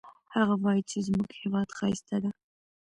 هغه وایي چې زموږ هیواد ښایسته ده